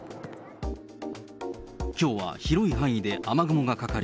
きょうは広い範囲で雨雲がかかり、